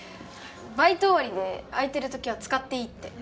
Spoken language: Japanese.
バイト終わりで空いてるときは使っていいって